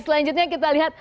selanjutnya kita lihat